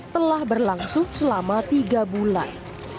telah berlangsung selama tiga bulan